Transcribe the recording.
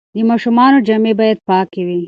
د ماشومانو جامې باید پاکې وي.